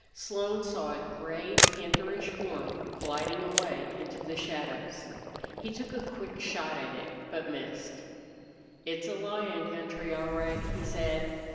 Slone saw a gray, pantherish form gliding away into the shadows. He took a quick shot at it, but missed. "It's a lion country, all right," he said.